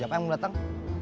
siapa yang datang